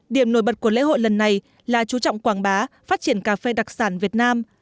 điểm nổi bật của lễ hội lần này là chú trọng quảng bá phát triển cà phê đặc sản việt nam